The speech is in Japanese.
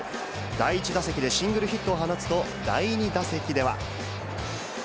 第１打席でシングルヒットを放つと、第２打席では。